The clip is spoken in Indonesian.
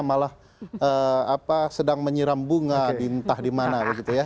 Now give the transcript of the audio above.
malah sedang menyiram bunga di entah di mana